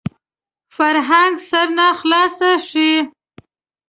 فرهنګ سرناخلاصي ښيي